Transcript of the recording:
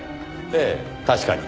ええ確かに。